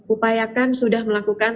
upayakan sudah melakukan